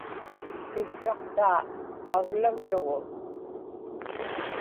piksraqta aglaglugu